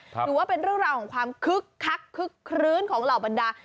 ถือว่าเป็นเรื่องราวของความคึกคักคึกคลื้นของเหล่าบรรดา